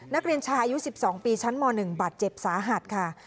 นักเรียนชายอายุ๑๒ปีชั้นม๑บาดเจ็บสาหัสค่ะ